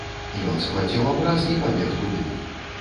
Ён схваціў абраз і пабег туды.